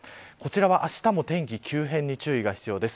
あしたは天気の急変に注意が必要です。